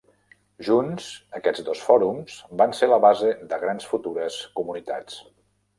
Junts, aquests dos fòrums van ser la base de grans futures comunitats.